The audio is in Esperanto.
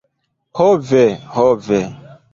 Ho ve! Ho ve.